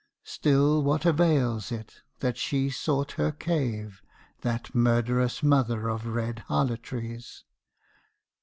Still what avails it that she sought her cave That murderous mother of red harlotries?